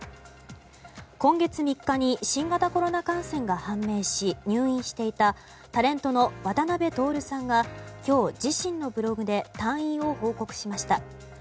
今月３日に新型コロナ感染が判明し入院していたタレントの渡辺徹さんが今日自身のブログで退院を報告しました。